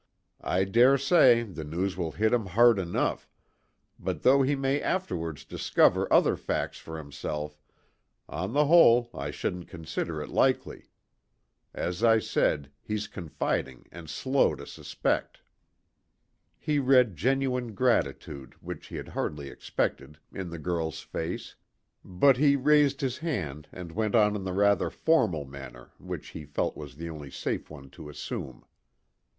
I dare say the news will hit him hard enough; but though he may afterwards discover other facts for himself, on the whole I shouldn't consider it likely. As I said, he's confiding and slow to suspect." He read genuine gratitude, which he had hardly expected, in the girl's face; but he raised his hand and went on in the rather formal manner which he felt was the only safe one to assume.